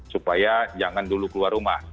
supaya jangan dulu keluar rumah